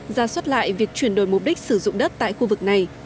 ra soát lại việc chuyển đổi mục đích sử dụng đất tại khu vực này